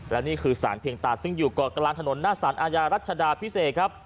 และนี่คือสารเพียงตาซึ่งอยู่เกาะกลางถนนหน้าสารอาญารัชดาพิเศษครับ